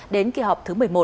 đến kỳ họp thứ một mươi một